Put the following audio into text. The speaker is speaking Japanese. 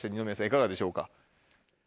いかがでしょうか。